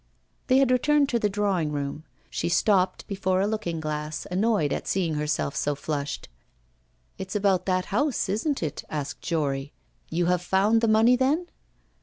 They had returned to the drawing room. She stopped before a looking glass, annoyed at seeing herself so flushed. 'It's about that house, isn't it?' asked Jory. 'You have found the money, then?